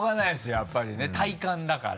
やっぱりね体感だから。